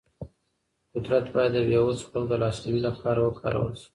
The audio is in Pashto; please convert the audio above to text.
قدرت باید د بې وسو خلکو د لاسنیوي لپاره وکارول شي.